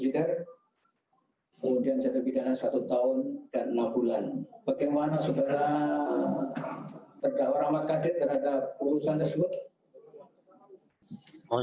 bagaimana sebenarnya terhadap warahmat kdma ult